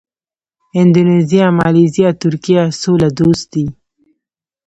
اندونیزیا، مالیزیا، ترکیه سوله دوست دي.